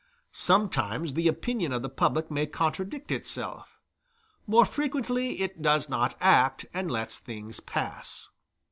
Sometimes the opinion of the public may contradict itself; more frequently it does not act, and lets things pass.